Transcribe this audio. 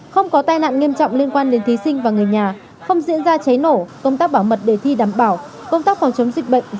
không có tai nạn nghiêm trọng liên quan đến thí sinh và người nhà không diễn ra cháy nổ công tác bảo mật đề thi đảm bảo công tác phòng chống dịch bệnh diễn ra đúng kế hoạch